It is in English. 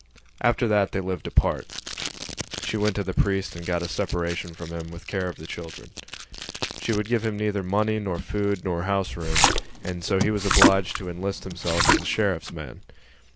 After that they lived apart. She went to the priest and got a separation from him with care of the children. She would give him neither money nor food nor house room; and so he was obliged to enlist himself as a sheriff's man.